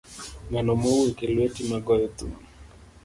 Ngano mowuok e lueti magoyo thum.